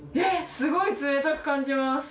すごい冷たく感じます。